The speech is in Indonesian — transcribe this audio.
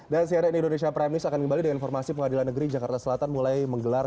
dan siaran indonesia prime news akan kembali dengan informasi pengadilan negeri jakarta selatan mulai menggelar